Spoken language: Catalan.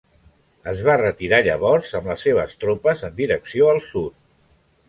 Es va retirar llavors amb les seves tropes en direcció al sud.